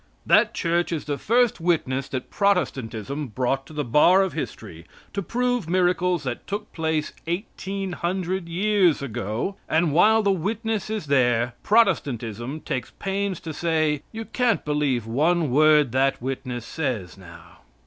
That Church is the first witness that Protestantism brought to the bar of history to prove miracles that took place eighteen hundred years ago; and while the witness is there Protestantism takes pains to say: "You can't believe one word that witness says, now."